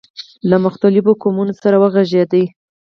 له مختلفو قومونو سره وغږېد.